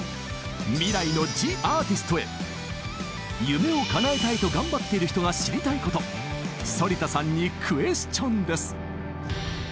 夢をかなえたいと頑張っている人が知りたいこと反田さんにクエスチョンです！